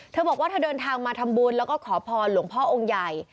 เธอบอกว่าเธอเดินทางมาทำบุญแล้วก็ขอพรหลวงพ่อองค์ใหญ่